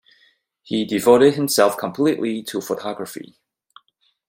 He devoted himself completely to photography.